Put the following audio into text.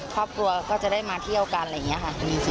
ครอบครัวก็จะได้มาเที่ยวกันอะไรอย่างนี้ค่ะ